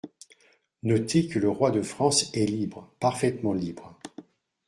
Notez que le roi de France est libre, parfaitement libre.